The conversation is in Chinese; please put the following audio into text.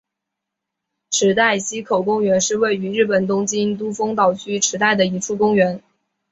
池袋西口公园是位于日本东京都丰岛区池袋的一处公园。